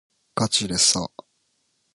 がちでさ